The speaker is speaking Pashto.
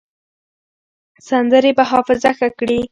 سندرې به حافظه ښه کړي.